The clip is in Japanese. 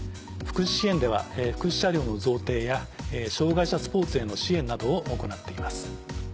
福祉支援では福祉車両の贈呈や障がい者スポーツへの支援などを行っています。